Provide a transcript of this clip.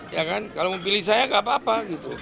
ya kan kalau memilih saya gak apa apa